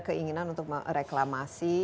keinginan untuk reklamasi